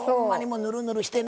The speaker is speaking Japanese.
ぬるぬるしてね。